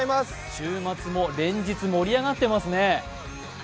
週末も連日盛り上がってますね。